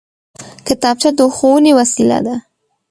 کتابچه د ښوونې وسېله ده